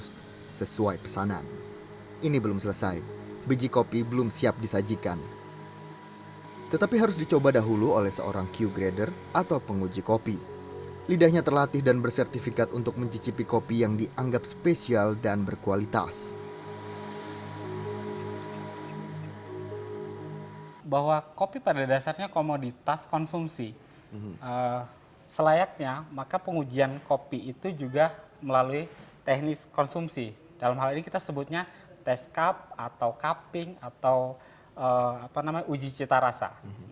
teknis konsumsi dalam hal ini kita sebutnya test cup atau cupping atau uji cita rasa